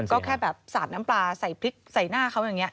ก็แค่แบบสาดน้ำปลาใส่พริกใส่หน้าเขาอย่างนี้